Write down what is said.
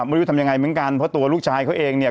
ไม่รู้จะทำยังไงเหมือนกันเพราะตัวลูกชายเขาเองเนี่ย